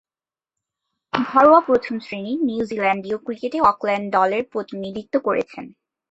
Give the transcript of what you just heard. ঘরোয়া প্রথম-শ্রেণীর নিউজিল্যান্ডীয় ক্রিকেটে অকল্যান্ড দলের প্রতিনিধিত্ব করেছেন।